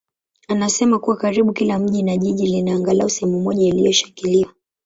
anasema kuwa karibu kila mji na jiji lina angalau sehemu moja iliyoshangiliwa.